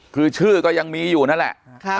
คือชื่อก็ยังมีอยู่นั่นแหละ